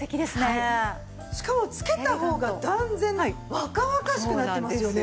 しかも着けた方が断然若々しくなってますよね。